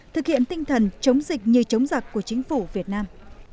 thực hiện tinh thần chống dịch như chống giặc của chính phủ việt nam